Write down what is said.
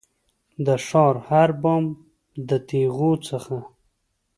د ښار د هر بام د تېغو څخه